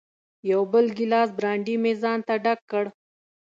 یو بل ګیلاس برانډي مې ځانته ډک کړ.